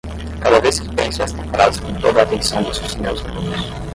Cada vez que penso esta frase com toda a atenção dos meus nervos